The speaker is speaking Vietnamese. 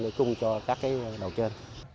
để cung cho các đầu trên